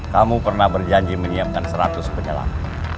kamu pernah berjanji menyiapkan seratus penyelam